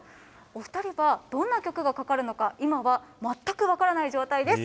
お二人はどんな曲がかかるのか今は全く分からない状態です。